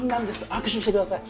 握手してください。